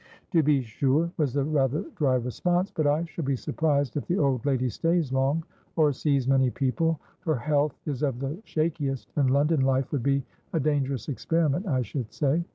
"To be sure," was the rather dry response. "But I shall be surprised if the old lady stays long, or sees many people. Her health is of the shakiest, and London life would be a dangerous experiment, I should say.